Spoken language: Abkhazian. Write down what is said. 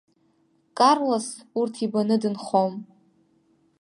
Карлос урҭ ибаны дынхом.